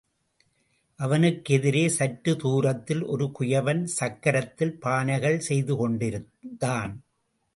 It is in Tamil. அவனுக்கு எதிரே சற்று தூரத்தில், ஒரு குயவன் சக்கரத்தில் பானைகள் செய்து கொண்டிருந்தான்.